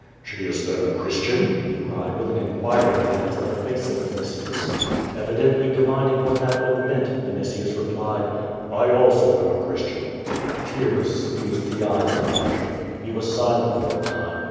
"She is then a Christian?" he cried, with an inquiring glance at the face of Vinitius. Evidently divining what that look meant, Vinitius replied: "1 also am a Christian.^' Tears suffused the eyes of Niger. He was silent for a time.